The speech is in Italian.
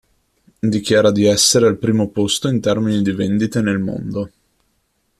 Dichiara di essere al primo posto in termini di vendite nel mondo.